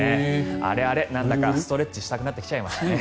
あれあれ、なんだかストレッチしたくなってきましたね。